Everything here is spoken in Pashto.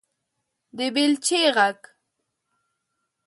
_د بېلچې غږ